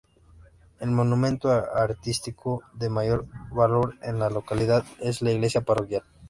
El monumento artístico de mayor valor en esta localidad es la iglesia parroquial.